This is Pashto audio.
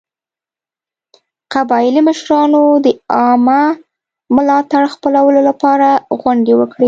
قبایلي مشرانو د عامه ملاتړ خپلولو لپاره غونډې وکړې.